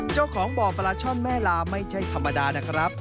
เจ้าของบ่อปลาช่อนแม่ลาไม่ใช่ธรรมดานะครับ